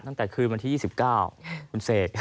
ตั้งแต่คืนวันที่๒๙คุณเสก